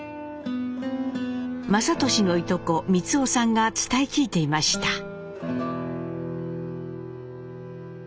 雅俊のいとこ・三雄さんが伝え聞いていました。